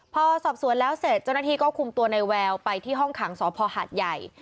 พอสอบสวนแล้วเสร็จเจ้าหน้าที่ก็คุมตัวในแววไปที่ห้องขังสพหาดใหญ่